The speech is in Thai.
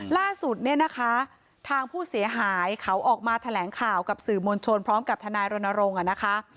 ล่าสุดเนี่ยนะคะทางผู้เสียหายเขาออกมาแถลงข่าวกับสื่อมวลชนพร้อมกับทนายรณรงค์นะคะ